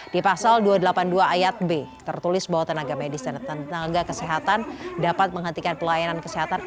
di pasal dua ratus delapan puluh dua ayat b tertulis bahwa tenaga medis dan tenaga kesehatan dapat menghentikan pelayanan kesehatan